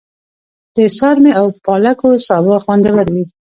د څارمي او پالکو سابه خوندور وي.